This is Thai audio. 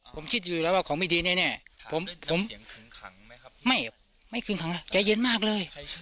ผมชิดอยู่แล้วว่าของไม่ดีแน่ไม่ไม่คืนขังละใจเย็นมากเลย